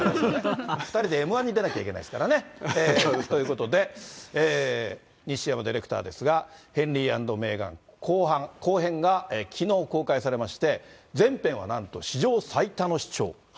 ２人でＭー１に出なきゃいけないですからね。ということで、西山ディレクターですが、ヘンリー＆メーガン後半、後編がきのう公開されまして、前編はなんと、史上最多の視聴。